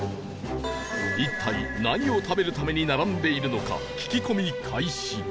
一体何を食べるために並んでいるのか聞き込み開始